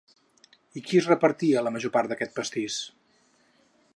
I qui es repartia la major part d’aquest pastís?